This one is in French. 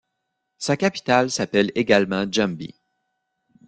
Sa capitale s'appelle également Jambi.